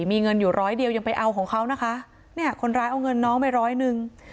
มีเงินอยู่ร้อยเดียวยังไปเอาของเขานะคะเนี่ยคนร้ายเอาเงินน้องไปร้อยหนึ่ง